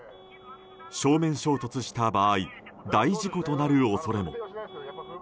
正面衝突した場合大事故となる恐れも。